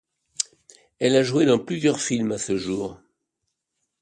Elle a joué dans plusieurs films à ce jour.